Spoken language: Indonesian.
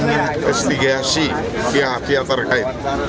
investigasi pihak pihak terkait